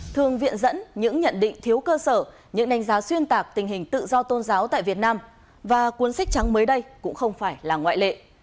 thường viện dẫn những nhận định thiếu cơ sở những đánh giá xuyên tạc tình hình tự do tôn giáo tại việt nam và cuốn sách trắng mới đây cũng không phải là ngoại lệ